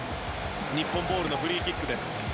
日本ボールのフリーキックです。